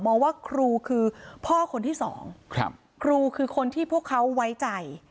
ว่าครูคือพ่อคนที่สองครับครูคือคนที่พวกเขาไว้ใจ